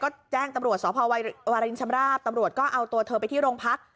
ก็แจ้งตำรวจสพวารินชำราบตำรวจก็เอาตัวเธอไปที่โรงพัก